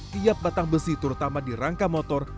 tiap batang besi terutama di rangka motor